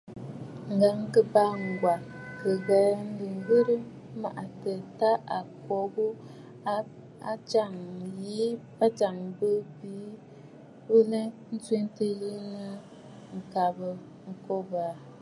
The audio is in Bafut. Ŋ̀gàŋkɨbàa Ŋgwa kɨ ghə̀ə lɨ̀gə mâtaa tâ à kwo ghu, a ajàŋə bɨ kɨ̀ lɔ̀ɔ̂ ǹtswètə̂ yi nɨ̂ ŋ̀kabə̀ ŋ̀kòbə̀.